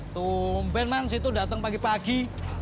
tumben man situ datang pagi pagi